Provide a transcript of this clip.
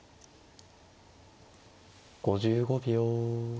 ５５秒。